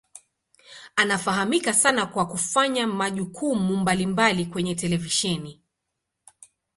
Anafahamika sana kwa kufanya majukumu mbalimbali kwenye televisheni.